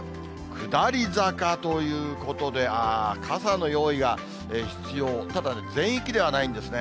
下り坂ということで、あー、傘の用意が必要、ただね、全域ではないんですね。